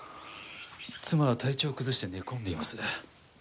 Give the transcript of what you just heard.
妻は体調を崩して寝込んでいます。